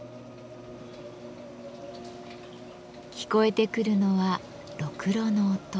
聞こえてくるのはろくろの音。